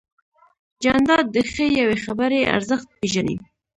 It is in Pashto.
جانداد د ښې یوې خبرې ارزښت پېژني.